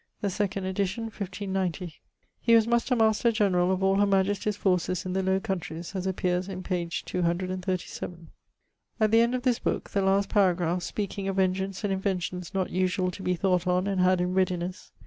The second edition, 1590. He was muster master generall of all her majestie's forces in the Low Countries, as appeares in page 237. At the end of this booke (the last paragraph) speaking of 'engins and inventions not usual to be thought on and had in readinesse.'